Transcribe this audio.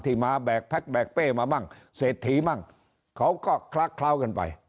ที่มาแบกแพ็กแบกเป้มาบ้างเสร็จถีบ้างเขาก็คล้าวกันไป